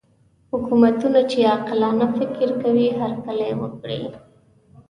حکومتونه چې عاقلانه فکر کوي هرکلی وکړي.